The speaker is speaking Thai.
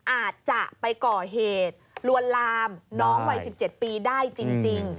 อาจจะไปก่อเหตุลวนลามน้องวัย๑๗ปีได้จริง